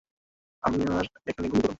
আমার এখানে গুলি করুন!